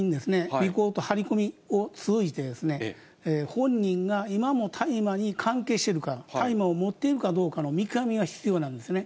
尾行と張り込みを通じて、本人が今も大麻に関係しているか、大麻を持っているかどうかの見極めが必要なんですね。